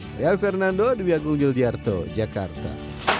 saya fernando di biagung yulijarto jakarta